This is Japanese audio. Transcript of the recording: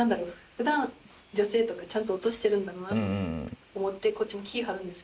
普段女性とかちゃんと落としてるんだろうなと思ってこっちも気ぃ張るんです。